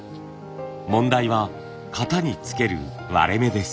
問題は型に付ける割れ目です。